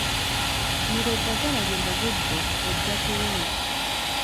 Mira eddagala lyo mu budde, ojja kuwona.